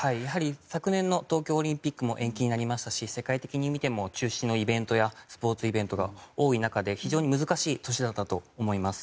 昨年の東京オリンピックも延期になりましたし世界的に見ても中止のイベントやスポーツイベントが多い中で非常に難しい年になったと思います。